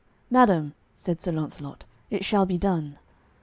"Madam," said Sir Launcelot, "it shall be done."